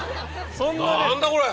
何だこれ！